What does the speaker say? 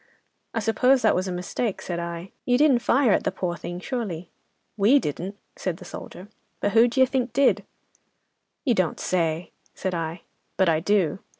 "'"I suppose that was a mistake," said I, "you didn't fire at the poor thing, surely?" "'"We didn't," said the soldier, "but who d'ye think did?" "'"You don't say?" said I. "'"But I do.